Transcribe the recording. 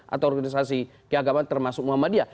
atau organisasi keagamaan termasuk muhammadiyah